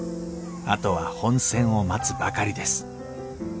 あとは本選を待つばかりです